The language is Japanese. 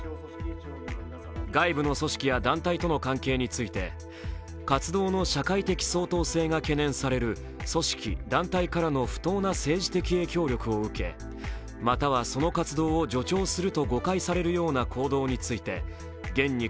外部の組織や団体との関係について活動の社会的相当性が懸念される組織・団体からの不当な政治的影響力を受けまたはその活動を助長すると誤解されるような行動について厳に